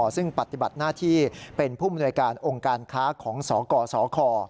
ซึ่งปฏิบัติหน้าที่เป็นผู้มนวยการองค์การค้าของสกสค